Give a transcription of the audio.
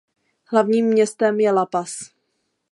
Hlavním městem je La Paz.